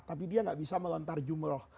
tapi dia nggak bisa melontar jumroh